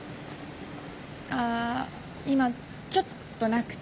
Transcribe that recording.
あー今ちょっとなくて。